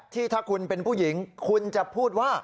ที่ถ้าคุณเป็นผู้หญิงคุณจะพูดว่า